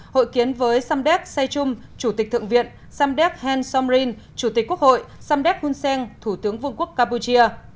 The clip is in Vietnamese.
hội kiến với samdek sechum chủ tịch thượng viện samdek hansomrin chủ tịch quốc hội samdek hunseng thủ tướng vương quốc campuchia